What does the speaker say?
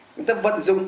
chúng ta vẫn dùng